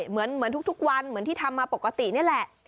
เหมือนทุกวันเหมือนที่ทำมาปกตินี่แหละ